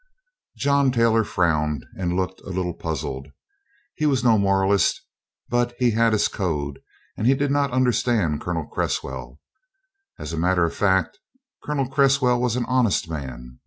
John Taylor frowned and looked a little puzzled. He was no moralist, but he had his code and he did not understand Colonel Cresswell. As a matter of fact, Colonel Cresswell was an honest man.